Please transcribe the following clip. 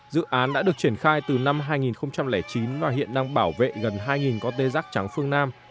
dự án đã được triển khai từ năm hai nghìn chín và hiện đang bảo vệ gần hai con tê giác trắng phương nam